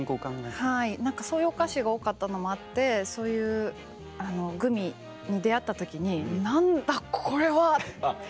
はい何かそういうお菓子が多かったのもあってそういうグミに出合った時に何だこれは！って。